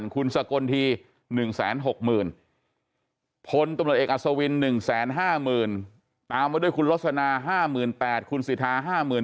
คุณสกนที๑แสน๖๐๐๐๐พลตำรวจเอกอัศวิน๑แสน๕๐๐๐๐ตามด้วยคุณลักษณะ๕๘๐๐๐คุณสิทธา๕๑๐๐๐